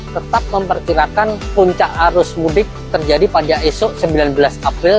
tetap memperkirakan puncak arus mudik terjadi pada esok sembilan belas april